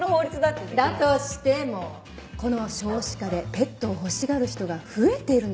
だとしてもこの少子化でペットを欲しがる人が増えてるの。